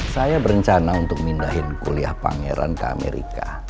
saya berencana untuk mindahin kuliah pangeran ke amerika